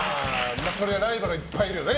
そりゃライバルはいっぱいいるよね。